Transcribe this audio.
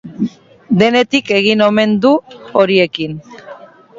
Denetik egin omen du horiekin.